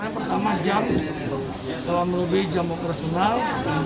pertama tama jam kalau melalui jam operasional